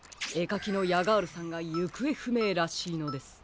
かきのヤガールさんがゆくえふめいらしいのです。